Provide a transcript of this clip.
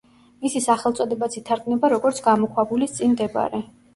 მისი სახელწოდებაც ითარგმნება როგორც „გამოქვაბულის წინ მდებარე“.